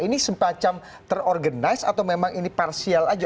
ini semacam terorganize atau memang ini parsial aja